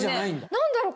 何だろう？